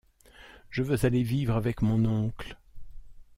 Je veux aller vivre avec mon oncle.